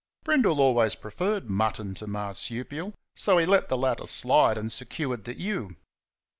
Brindle always preferred mutton to marsupial, so he let the latter slide and secured the ewe.